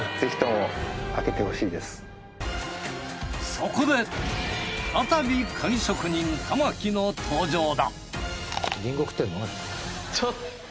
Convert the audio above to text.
そこで再び鍵職人玉置の登場だ！